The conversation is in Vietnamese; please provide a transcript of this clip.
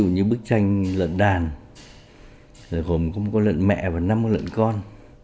như bức tranh lợn đàn lợn mẹ và lợn con